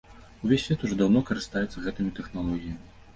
Увесь свет ужо даўно карыстаецца гэтымі тэхналогіямі.